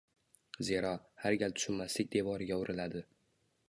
Zero, har gal tushunmaslik devoriga uriladi